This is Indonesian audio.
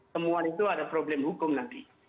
temuan itu ada problem hukum nanti